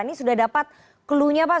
ini sudah dapat cluenya pak